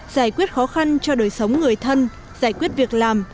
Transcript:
giải quyết khó khăn cho đời sống người thân giải quyết việc làm